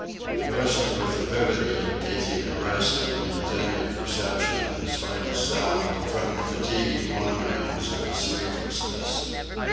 He listened with avidity, taking a rest in the attentive perception of the slightest sound from the fatiguing wanderings of his sleeplessness.